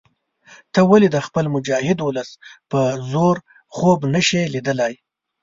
ته ولې د خپل مجاهد ولس په زور خوب نه شې لیدلای.